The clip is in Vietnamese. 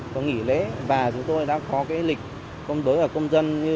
có nghỉ lễ và chúng tôi đã có lịch đối với công dân